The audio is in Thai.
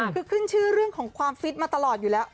คือขึ้นชื่อเรื่องของความฟิตมาตลอดอยู่แล้ว